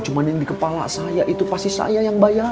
cuma yang di kepala saya itu pasti saya yang bayar